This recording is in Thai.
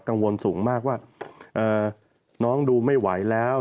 กังวลสูงมากว่าน้องดูไม่ไหวแล้ว